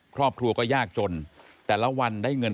ครอบครัวก็ยากจนแต่ละวันได้เงิน